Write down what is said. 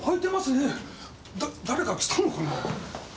だ誰か来たのかな？